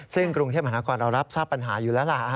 ซึ่งเกรงเทพเมืองมหาลักฐานเรารับทราบปัญหาอยู่แล้ว